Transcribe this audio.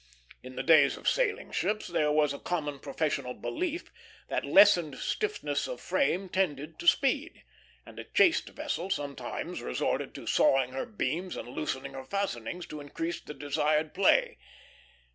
In the days of sailing ships there was a common professional belief that lessened stiffness of frame tended to speed; and a chased vessel sometimes resorted to sawing her beams and loosening her fastenings to increase the desired play.